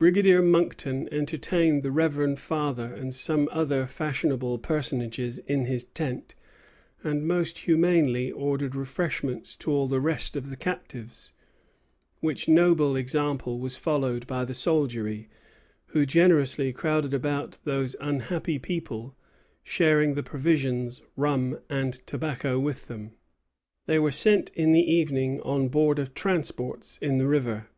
Brigadier Monckton entertained the reverend father and some other fashionable personages in his tent, and most humanely ordered refreshments to all the rest of the captives; which noble example was followed by the soldiery, who generously crowded about those unhappy people, sharing the provisions, rum, and tobacco with them. They were sent in the evening on board of transports in the river."